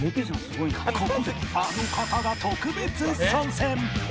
ここであの方が特別参戦